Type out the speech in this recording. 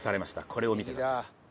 これを見てください。